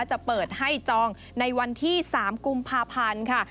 จะเปิดให้จองในวันที่๓กุมภาพันธ์ค่ะ